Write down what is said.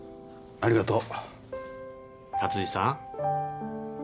ありがとう。